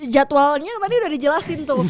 jadwalnya tadi udah dijelasin tuh